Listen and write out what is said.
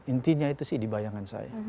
intinya itu sih di bayangan saya